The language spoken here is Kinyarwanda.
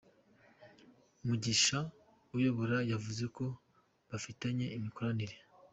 Mugisha uyobora yavuze ko bafitanye imikoranire.